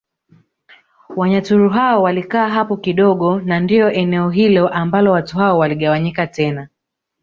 Wanyaturu hao walikaa hapo kidogo na ndio eneo hilo ambalo watu hao waligawanyika tena